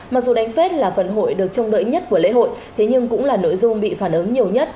mặc dù đánh phết là phần hội được trông đợi nhất của lễ hội thế nhưng cũng là nội dung bị phản ứng nhiều nhất